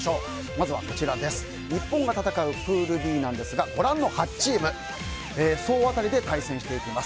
まずは日本が戦うプールＢですがご覧の８チーム総当たりで対戦していきます。